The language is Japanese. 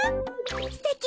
すてき！